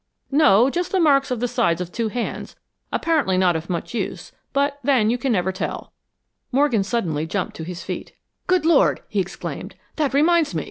"No, just the marks of the sides of two hands. Apparently not of much use but then you never can tell." Morgan suddenly jumped to his feet. "Good Lord!" he exclaimed, "that reminds me.